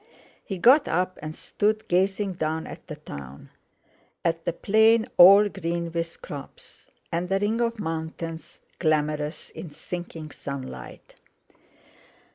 He got up, and stood gazing down at the town, at the plain all green with crops, and the ring of mountains glamorous in sinking sunlight.